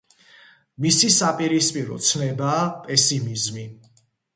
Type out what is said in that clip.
მისი საპირისპირო ცნებაა პესიმიზმი.